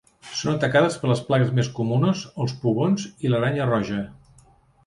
Són atacades per les plagues més comunes, els pugons i l'aranya roja.